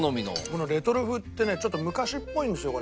このレトロ風ってねちょっと昔っぽいんですよ